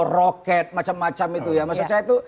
roket macam macam itu ya